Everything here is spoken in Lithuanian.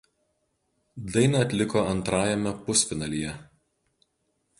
Dainą atliko antrajame pusfinalyje.